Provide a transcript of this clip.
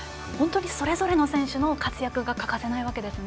それぞれの選手の活躍が欠かせないんですね。